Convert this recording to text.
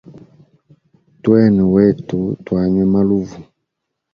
Twene wetu twanywe maluvu.